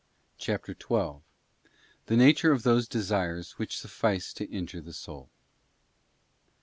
CHAPTER XII. The nature of those desires which suffice to injure the soul.